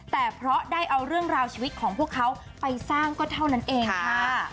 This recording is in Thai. แต่เพราะได้เอาเรื่องราวชีวิตของพวกเขาไปสร้างก็เท่านั้นเองค่ะ